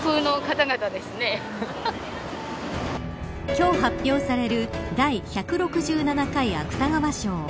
今日発表される第１６７回芥川賞。